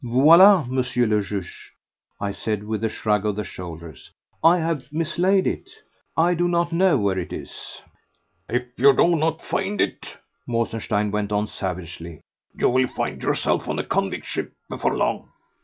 voilà, M. le Juge," I said with a shrug of the shoulders. "I have mislaid it. I do not know where it is." "If you do not find it," Mosenstein went on savagely, "you will find yourself on a convict ship before long."